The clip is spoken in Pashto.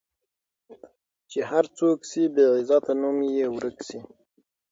چي هر څوک سي بې عزته نوم یې ورک سي